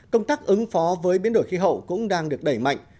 công tác ứng phó với biến đổi khí hậu cũng đang được đẩy mạnh